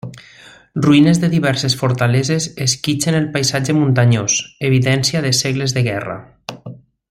Ruïnes de diverses fortaleses esquitxen el paisatge muntanyós, evidència de segles de guerra.